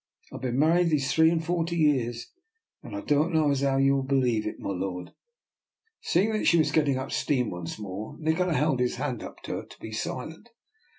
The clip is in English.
IVe been married these three and forty years, and I don't know as how you will believe it, my lord " Seeing that she was getting up steam once more, Nikola held up his hand to her to be silent.